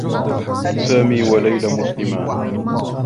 سامي و ليلى مسلمان.